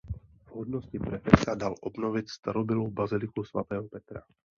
V hodnosti prefekta dal obnovit starobylou baziliku svatého Petra.